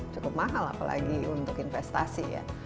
cukup mahal apalagi untuk investasi ya